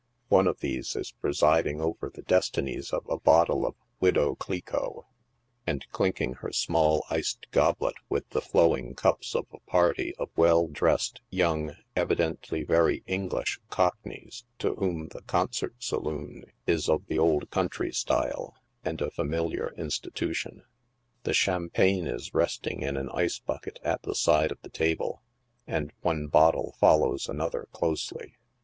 One of these is presiding over the destinies of a bottle of" Widow Cliquot," and clinking her small iced goblet with the flowing cups of a party of well dressed young, evidently very English, cockneys, to whom the " concert saloon ' is of the old country style, and a familiar institution. The champagne is resting in an ice bucket at the side of the table, and one bottle follows another closely.